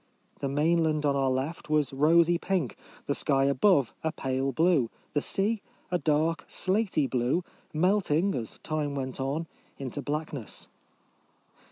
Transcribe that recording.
The mainland on our left was rosy pink; the sky above a pale blue ; the sea a dark slaty blue, melting, as time went on, into blackness.